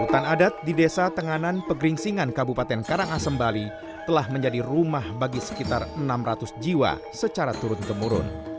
hutan adat di desa tenganan pegeringsingan kabupaten karangasem bali telah menjadi rumah bagi sekitar enam ratus jiwa secara turun temurun